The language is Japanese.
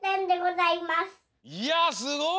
いやすごい！